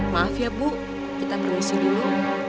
maaf ya bu kita permisi dulu